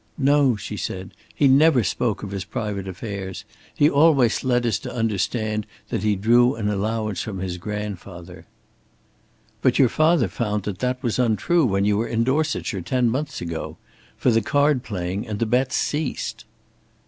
"No," she said. "He never spoke of his private affairs. He always led us to understand that he drew an allowance from his grandfather." "But your father found that that was untrue when you were in Dorsetshire, ten months ago. For the card playing and the bets ceased."